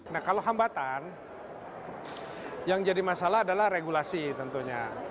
nah kalau hambatan yang jadi masalah adalah regulasi tentunya